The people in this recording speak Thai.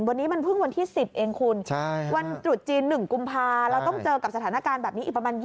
วันนี้มันเพิ่งวันที่๑๐เองคุณ